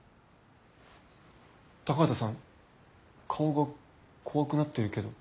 高畑さん顔が怖くなってるけど。